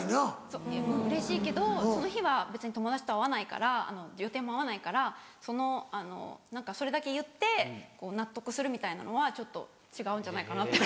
そううれしいけどその日は別に友達と会わないから予定も合わないからそのあの何かそれだけ言ってこう納得するみたいなのはちょっと違うんじゃないかなって。